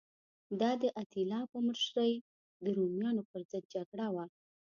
دا د اتیلا په مشرۍ د رومیانو پرضد جګړه وه